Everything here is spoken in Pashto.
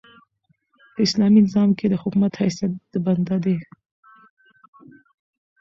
په اسلامي نظام کښي د حکومت حیثیت د بنده دئ.